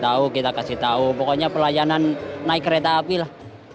tahu kita kasih tau pokoknya pelayanan naik kereta api lah